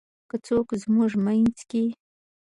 که څوک زمونږ مينځ کې :